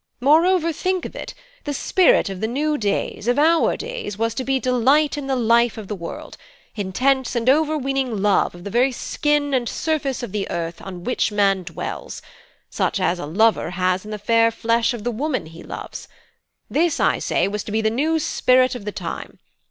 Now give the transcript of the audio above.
Moreover, think of it. The spirit of the new days, of our days, was to be delight in the life of the world; intense and overweening love of the very skin and surface of the earth on which man dwells, such as a lover has in the fair flesh of the woman he loves; this, I say, was to be the new spirit of the time.